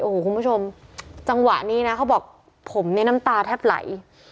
โอ้โหคุณผู้ชมจังหวะนี้นะเขาบอกผมเนี่ยน้ำตาแทบไหล